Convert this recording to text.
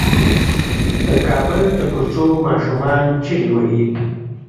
د کابل د کوڅو ماشومان چيغې وهي.